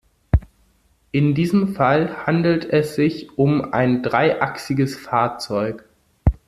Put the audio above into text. In diesem Fall handelt es sich um ein dreiachsiges Fahrzeug.